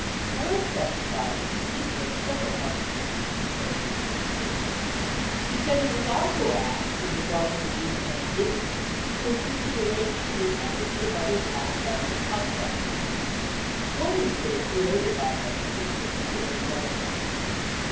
Harris testified that he did make several contributions to the President's campaign. He said he was also asked, in regard to the June 10 dinner, to assist in arrang ing the attendance of other black Government contractors. One incident related by Harris is particularly relevant.